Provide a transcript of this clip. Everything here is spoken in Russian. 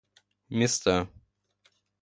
места